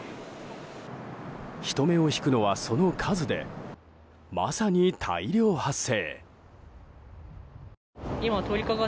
人目を引くのは、その数でまさに大量発生。